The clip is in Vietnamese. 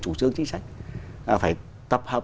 chủ trương chính sách phải tập hợp